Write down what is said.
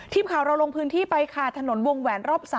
ทีมข่าวเราลงพื้นที่ไปค่ะถนนวงแหวนรอบ๓